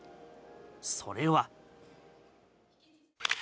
それは。